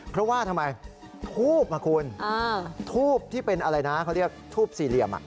เพราะว่าทำไมทูบอ่ะคุณทูบที่เป็นอะไรนะเขาเรียกทูบสี่เหลี่ยม